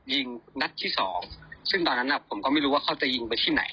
ยิงนัดที่สองซึ่งตอนนั้นผมก็ไม่รู้ว่าเขาจะยิงไปที่ไหน